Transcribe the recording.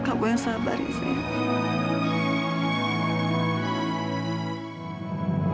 kejadian masa lalu tante fadil